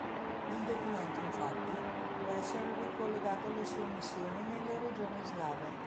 Il documento, infatti, può essere ricollegato alle sue missioni nelle regioni slave.